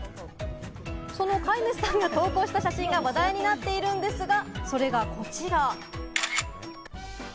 その飼い主さんが投稿した写真が話題になっているんですが、それがこちら。